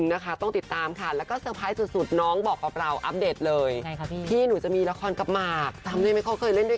หลังจากกัสสรอง๒ปีก็หายไปเลย